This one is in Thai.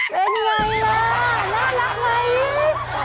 เป็นไงล่ะน่ารักมั้ย